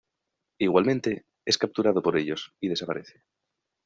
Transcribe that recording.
Igualmente, es capturado por ellos, y desaparece.